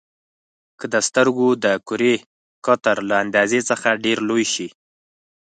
که د سترګو د کرې قطر له اندازې څخه ډېر لوی شي.